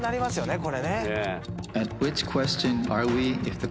これね。